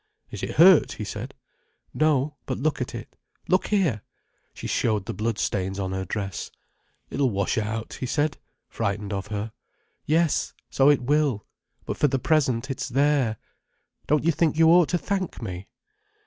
"Is it hurt?" he said. "No, but look at it. Look here!" She showed the bloodstains on her dress. "It'll wash out," he said, frightened of her. "Yes, so it will. But for the present it's there. Don't you think you ought to thank me?"